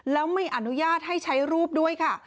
แล้วไม่อนุญาตให้ใช้รูปด้วยค่ะ